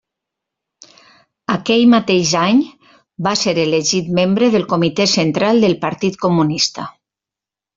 Aquell mateix any, va ser elegit membre del Comitè Central del Partit Comunista.